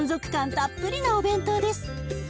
たっぷりなお弁当です。